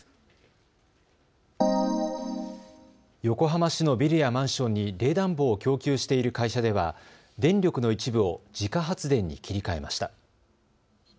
横浜市のビルやマンションに冷暖房を供給している会社では電力の一部を自家発電に切り替えました。